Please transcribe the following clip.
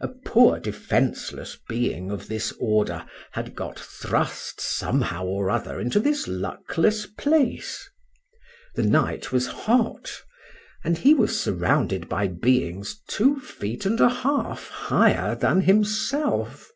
A poor defenceless being of this order had got thrust somehow or other into this luckless place;—the night was hot, and he was surrounded by beings two feet and a half higher than himself.